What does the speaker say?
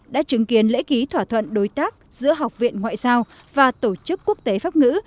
đã chứng kiến lễ ký thỏa thuận đối tác giữa học viện ngoại giao và tổ chức quốc tế pháp ngữ